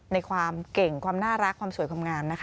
ในความเก่งความน่ารักความสวยความงามนะคะ